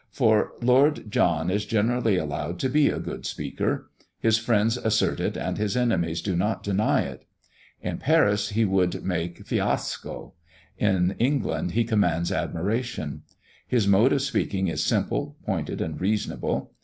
For Lord John is generally allowed to be a good speaker; his friends assert it, and his enemies do not deny it. In Paris he would make fiasco; in England he commands admiration. His mode of speaking is simple, pointed, and reasonable.